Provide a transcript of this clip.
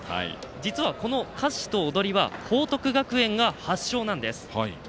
実はこの歌詞と踊りは報徳学園が発祥なんです。